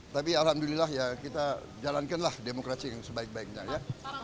tapi alhamdulillah kita jalankanlah demokrasi yang sebaik baiknya